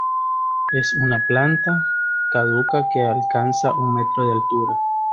Es una planta caduca que alcanza un metro de altura.